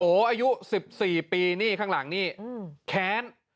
อายุ๑๔ปีนี่ข้างหลังนี่แค้น